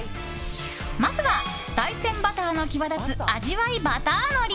まずは大山バターの際立つ味わいバター海苔。